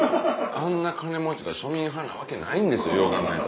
あんな金持ちが庶民派なわけないんですよよう考えたら。